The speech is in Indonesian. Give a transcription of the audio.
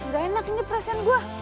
gak enak ini perasaan gue